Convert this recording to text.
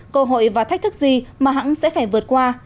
cơ hội và thách thức gì mà hãng sẽ phải vượt qua